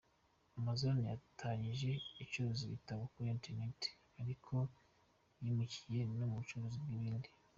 Amazon yatangiye icuruza ibitabo kuri internet ariko yimukiye no mu bucuruzi bw’ibindi.